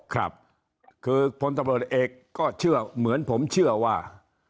ครับคือพลตำรวจเอกก็เชื่อเหมือนผมเชื่อว่า